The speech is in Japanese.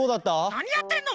なにやってんの！